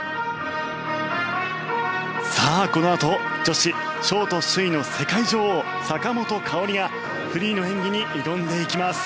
さあこのあと女子ショート首位の世界女王坂本花織がフリーの演技に挑んでいきます。